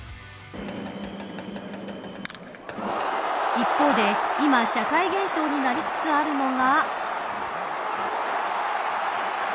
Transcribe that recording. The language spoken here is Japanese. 一方で、今社会現象になりつつあるのが。